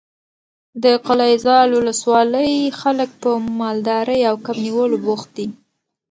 د قلعه زال ولسوالۍ خلک په مالدارۍ او کب نیولو بوخت دي.